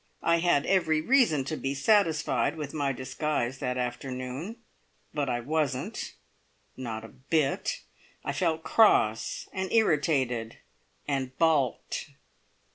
I had every reason to be satisfied with my disguise that afternoon, but I wasn't. Not a bit! I felt cross, and irritated, and balked!